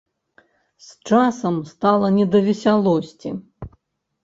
З часам стала не да весялосці.